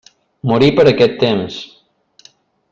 Morí per aquest temps.